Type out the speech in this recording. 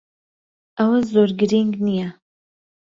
ئەوە زۆر گرنگ نییە.